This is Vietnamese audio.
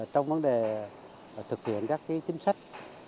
trong vấn đề thực hiện các chính sách